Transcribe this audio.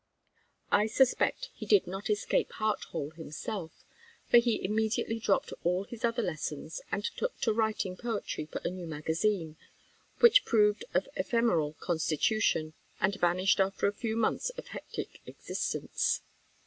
I suspect he did not escape heart whole himself; for he immediately dropped all his other lessons, and took to writing poetry for a new magazine, which proved of ephemeral constitution, and vanished after a few months of hectic existence.